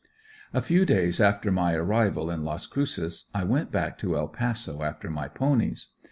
A few days after my arrival in Las Cruces I went back to El Paso after my ponies.